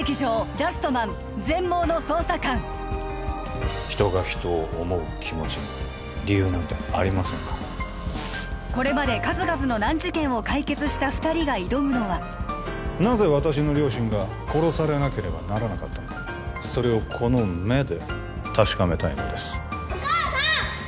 「ラストマン−全盲の捜査官−」人が人を思う気持ちに理由なんてありませんからこれまで数々の難事件を解決した二人が挑むのはなぜ私の両親が殺されなければならなかったのかそれをこの目で確かめたいのですお母さん！